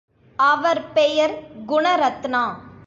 அவர் பெயர் குணரத்னா.